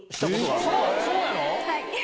はい。